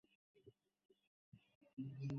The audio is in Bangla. ইরফান কেমিকেল দিয়েই সবকিছু করেছিল।